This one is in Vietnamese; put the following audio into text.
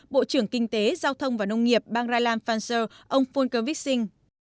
bộ trưởng kinh tế giao thông và nông nghiệp bang rheinland pfanzer ông volker wixing